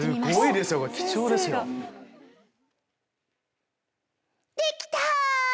できた！